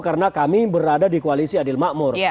karena kami berada di koalisi adil makmur